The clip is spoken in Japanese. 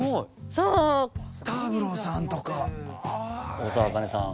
大沢あかねさん。